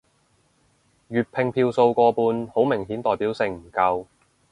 粵拼票數過半好明顯代表性唔夠